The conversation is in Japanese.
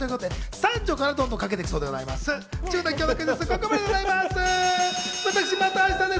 三女からどんどんかけていくそうなんです。